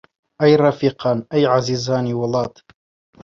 ئەی ڕەفیقان، ئەی عەزیزانی وڵات!